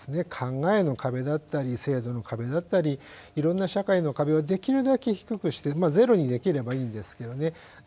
考えの壁だったり制度の壁だったりいろんな社会の壁をできるだけ低くしてまあゼロにできればいいんですけどね。